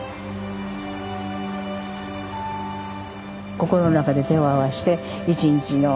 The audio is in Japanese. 心の中で手を合わして１日